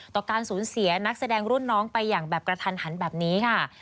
ต่อการสูญเสียนักแสดงรุ่นน้องไปอย่างแบบกระทันหันแบบนี้ค่ะ